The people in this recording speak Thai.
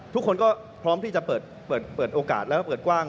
ทุกคนก็พร้อมที่จะเปิดโอกาสแล้วก็เปิดกว้าง